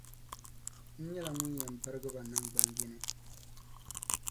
N nyɛla ŋun yɛn birigi ba namgbaniyini.